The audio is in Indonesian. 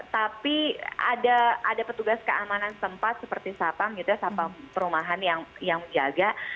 tapi ada petugas keamanan sempat seperti sapa sapa perumahan yang menjaga